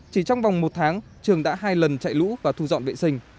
chỉ trong vòng một tháng trường đã hai lần chạy lũ và thu dọn vệ sinh